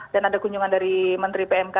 dan ada kunjungan dari menteri pmk